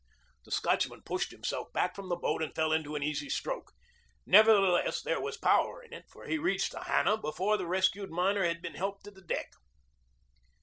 The Scotchman pushed himself back from the boat and fell into an easy stroke. Nevertheless, there was power in it, for he reached the Hannah before the rescued miner had been helped to the deck.